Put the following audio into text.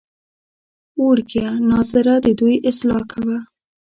وړکیه ناظره ددوی اصلاح کوه.